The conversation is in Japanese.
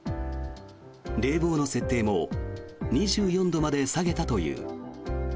冷房の設定も２４度まで下げたという。